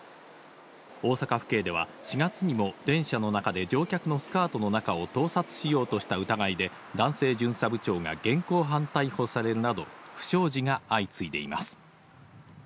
大阪府警では４月にも電車の中で乗客のスカートの中を盗撮しようとした疑いで男性巡査部長が現行犯逮捕されるなど、不祥事が相次いでいます。